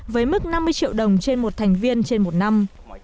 với mức năm mươi triệu đồng trên một thành viên trên một năm